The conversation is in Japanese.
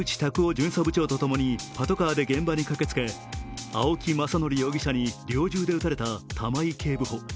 巡査部長と共にパトカーで現場に駆けつけ青木政憲容疑者に猟銃で撃たれた玉井警部補。